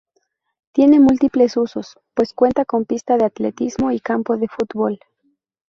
Tiene múltiples usos, pues cuenta con pista de atletismo y campo de fútbol.